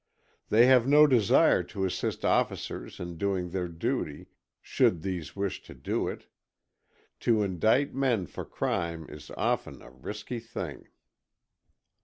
They have no desire to assist officers in doing their duty, should these wish to do it. To indict men for crime is often a risky thing.